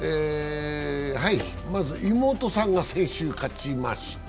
まず妹さんが先週、勝ちました。